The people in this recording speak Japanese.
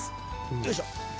よいしょ！